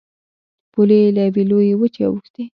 پولې یې له یوې لویې وچې اوښتې.